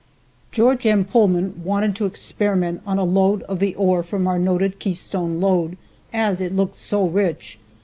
Geo. M. Pullman wanted to experiment on a load of the ore from our noted Keystone lode, as it looked so rich.